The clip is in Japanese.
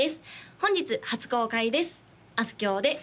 本日初公開です